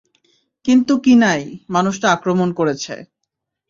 কিন্তু কিনাই, মানুষটা আক্রমণ করেছে।